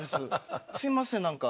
すいません何か。